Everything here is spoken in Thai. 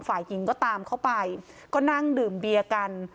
ฝ่ายหญิงก็ตามเข้าไปก็นั่งดื่มเบียร์กัน